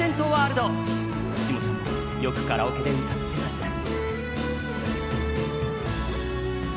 下ちゃんもよくカラオケで歌ってました。